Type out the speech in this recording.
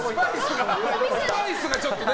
スパイスがちょっとね。